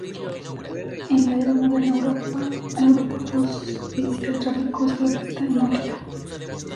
En la Era Moderna, Europa propicia el tráfico esclavista en África.